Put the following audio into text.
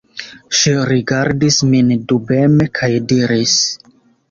Ŝi rigardis min dubeme kaj diris: